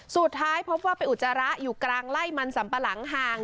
สุดท้ายพบว่าไปอุจจาระอยู่กลางไล่มันสัมปะหลังห่าง